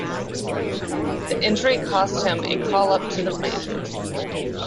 The injury cost him a call-up to the majors.